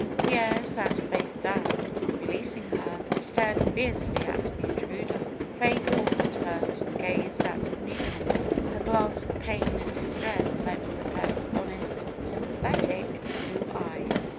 Pierre sat Faith down, releasing her, and stared fiercely at the intruder. Faith also turned and gazed at the newcomer. Her glance of pain and distress met with a pair of honest, sympathetic blue eyes.